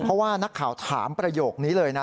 เพราะว่านักข่าวถามประโยคนี้เลยนะ